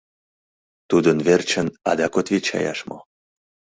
Тудын верчын адак отвечаяш мо.